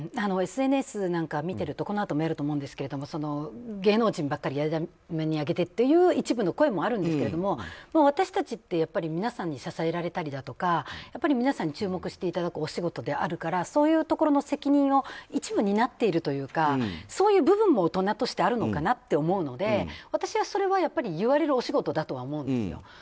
ＳＮＳなんか見てるとこのあとやると思うんですけど芸能人ばかりやり玉に挙げてという一部の声もあるんですけど私たちって皆さんに支えられたりとか皆さんに注目していただくお仕事であるからそういうところの責任を一部になっているというかそういう部分も大人としてあるのかなと思うので私はそれは言われるお仕事だとは思うんですよ。